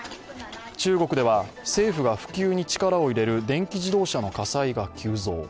中国では政府が普及に力を入れる電気自動車の火災が急増。